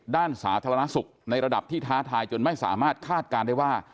สาธารณสุขในระดับที่ท้าทายจนไม่สามารถคาดการณ์ได้ว่า